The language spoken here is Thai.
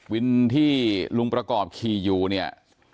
วินที่ลุงประกอบขี่อยู่เนี่ย